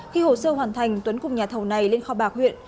khi hồ sơ hoàn thành tuấn cùng nhà thầu này lên kho bạc huyện